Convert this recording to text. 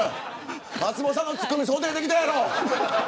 松本さんのツッコミ想定できたやろ。